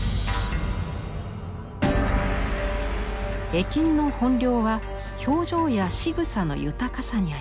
絵金の本領は表情やしぐさの豊かさにあります。